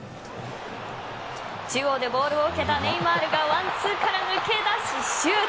中央でボールを受けたネイマールがワンツーから抜け出しシュート。